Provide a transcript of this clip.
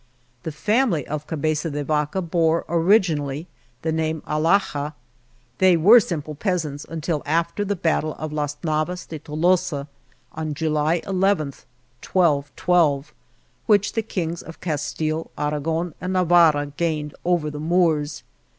The family of Cabeza de Vaca bore, originally, the name Alhaja. They were simple peasants until after the battle of Las Navas de Tolosa, on July 1 1, 1212, which the Kings of Castile, Aragon and Navarra gained over the Moors.